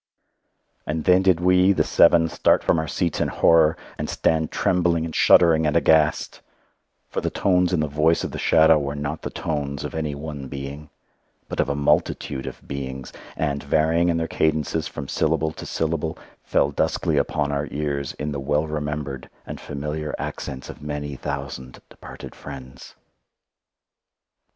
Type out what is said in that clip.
And then did we, the seven, start from our seats in horror, and stand trembling, and shuddering, and aghast: for the tones in the voice of the shadow were not the tones of any one being, but of a multitude of beings, and varying in their cadences from syllable to syllable, fell duskily upon our ears in the well remembered and familiar accents of many thousand departed friends.